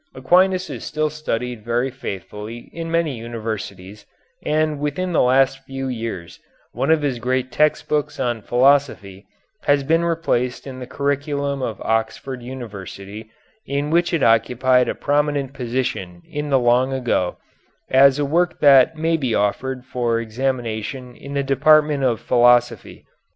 Aquinas is still studied very faithfully in many universities, and within the last few years one of his great text books of philosophy has been replaced in the curriculum of Oxford University, in which it occupied a prominent position in the long ago, as a work that may be offered for examination in the department of philosophy.